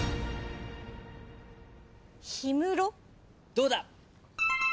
どうだ？